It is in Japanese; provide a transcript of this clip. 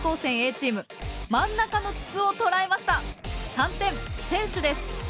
３点先取です。